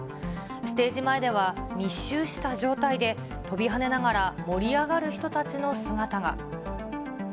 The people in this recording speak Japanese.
ステージ前では、密集した状態で、跳びはねながら盛り上がる人たちの姿が。